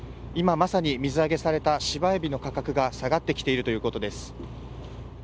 今まさに水揚げされた芝エビの価格が下がってきているということです。